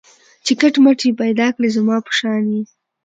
چي کټ مټ یې پیدا کړی زما په شان یې